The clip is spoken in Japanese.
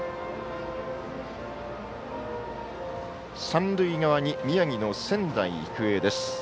三塁側に宮城の仙台育英です。